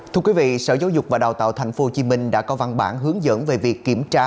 thưa quý vị sở giáo dục và đào tạo thành phố hồ chí minh đã có văn bản hướng dẫn về việc kiểm tra